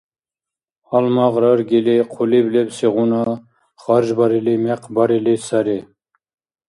Гьалмагъ раргили, хъулиб лебсигъуна харжбарили, мекъ барили сари.